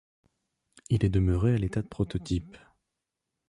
Il est demeuré à l'état de prototype.